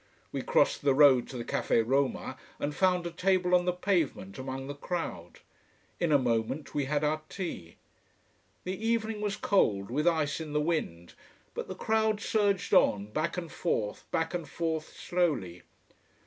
We crossed the road to the Café Roma, and found a table on the pavement among the crowd. In a moment we had our tea. The evening was cold, with ice in the wind. But the crowd surged on, back and forth, back and forth, slowly.